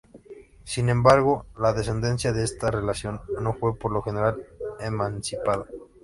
Sin embargo, la descendencia de estas relaciones no fue por lo general emancipada.